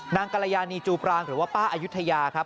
กรยานีจูปรางหรือว่าป้าอายุทยาครับ